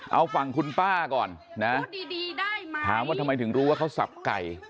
เอาฝั่งคุณป้าก่อนนะถามว่าทำไมถึงรู้ว่าเขาสับไก่